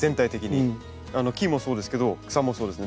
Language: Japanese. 木もそうですけど草もそうですね。